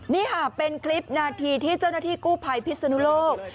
นี่ค่ะเป็นคลิปนาทีที่เจ้าหน้าที่กู้ภัยพิศนุโลก